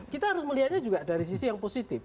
kita harus melihatnya juga dari sisi yang positif